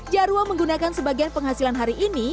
jarwo menggunakan sebagian penghasilan hari ini